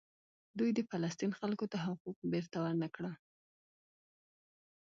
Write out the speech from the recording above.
دوی د فلسطین خلکو ته حقوق بیرته ورنکړل.